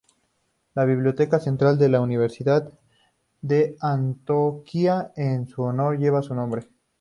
La biblioteca central de la Universidad de Antioquia, en su honor, lleva su nombre.